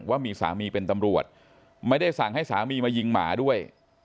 ว่ามีสามีเป็นตำรวจไม่ได้สั่งให้สามีมายิงหมาด้วย